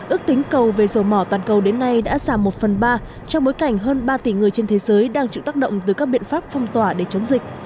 ước tính cầu về dầu mỏ toàn cầu đến nay đã giảm một phần ba trong bối cảnh hơn ba tỷ người trên thế giới đang chịu tác động từ các biện pháp phong tỏa để chống dịch